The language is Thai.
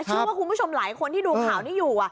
คุณผู้ชมหลายคนที่ดูข่าวนี้อยู่